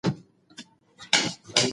که موږ تعصب وکړو نو پرمختګ نه سو کولای.